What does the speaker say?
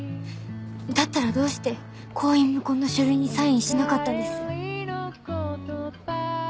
だったらどうして婚姻無効の書類にサインしなかったんです？